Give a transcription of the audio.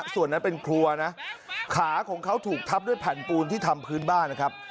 ส่วนนั้นเป็นครัวนะขาของเขาถูกทับด้วยแผ่นปูนที่ทำพื้นบ้านนะครับ